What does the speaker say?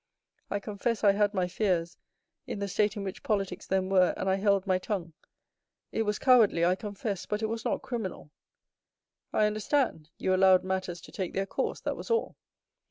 I confess I had my fears, in the state in which politics then were, and I held my tongue. It was cowardly, I confess, but it was not criminal." 0341m "I understand—you allowed matters to take their course, that was all."